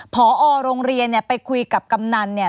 พอโรงเรียนเนี่ยไปคุยกับกำนันเนี่ย